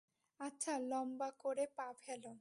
আচ্ছা, লম্বা করে পা ফেলো।